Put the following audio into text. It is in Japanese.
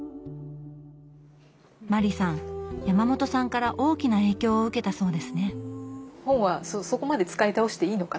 麻里さん山本さんから大きな影響を受けたそうですね。